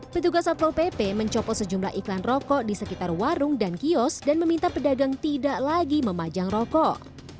petugas satpol pp mencopot sejumlah iklan rokok di sekitar warung dan kios dan meminta pedagang tidak lagi memajang rokok